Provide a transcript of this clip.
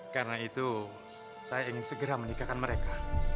karena itu saya ingin segera menikahkan mereka